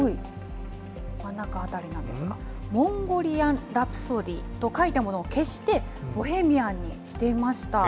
真ん中あたりなんですが、モンゴリアン・ラプソディと書いたものを消して、ボヘミアンにしていました。